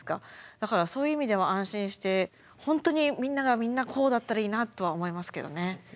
だからそういう意味でも安心して本当にみんながみんなこうだったらいいなとは思いますけどね。ね。